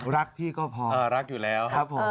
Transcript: รักพี่ก็พอครับผมเออรักอยู่แล้ว